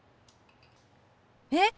えっ！